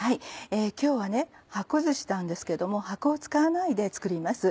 今日は箱ずしなんですけれども箱を使わないで作ります。